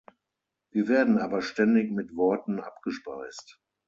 Wir werden aber ständig mit Worten abgespeist.